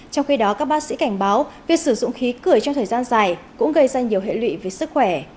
trong khi đó các bác sĩ cảnh báo việc sử dụng khí cười trong thời gian dài cũng gây ra nhiều hệ lụy về sức khỏe